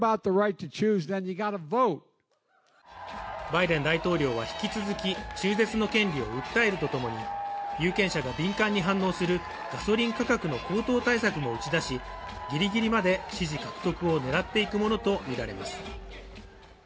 バイデン大統領は引き続き、中絶の権利を訴えるとともに有権者が敏感に反応する、ガソリン価格の高騰対策も打ち出しギリギリまで支持獲得を狙っていくものとみられます。